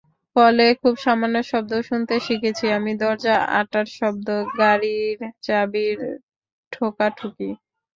ফলে খুব সামান্য শব্দও শুনতে শিখেছি আমি—দরজা আঁটার শব্দ, গাড়ির চাবির ঠোকাঠুকি।